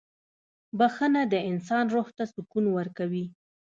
• بخښنه د انسان روح ته سکون ورکوي.